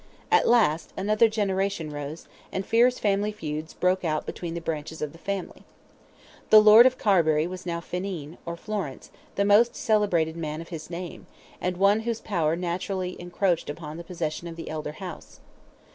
At last, another generation rose, and fierce family feuds broke out between the branches of the family. The Lord of Carbury now was Fineen, or Florence, the most celebrated man of his name, and one whose power naturally encroached upon the possession of the elder house.